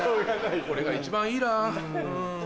これが一番いいら。